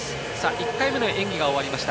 １回目の演技が終わりました。